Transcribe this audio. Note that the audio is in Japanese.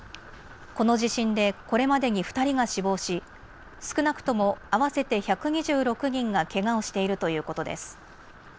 この地震でこれまでに２人が死亡し少なくとも合わせて１２６人がけがをしているということです。